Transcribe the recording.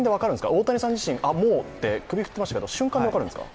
大谷さん自身、「もう」って首振ってましたが、その瞬間で分かるんですか？